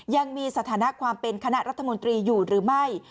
ยังมีสถานะความเป็นคณะรัฐมนตรีอยู่หรือไม่